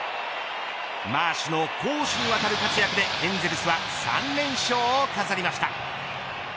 マーシュの攻守にわたる活躍でエンゼルスは３連勝を飾りました。